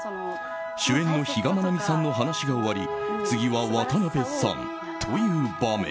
主演の比嘉愛未さんの話が終わり次は渡邊さんという場面。